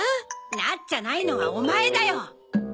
なっちゃないのはオマエだよ！